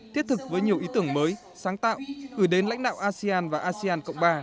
thiết thực với nhiều ý tưởng mới sáng tạo gửi đến lãnh đạo asean và asean cộng ba